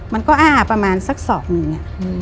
มันก็อ้าประมาณสักศอกหนึ่ง